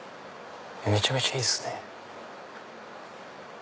めちゃめちゃいいですね。